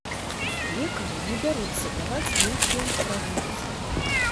Лекары не бяруцца даваць нейкія прагнозы.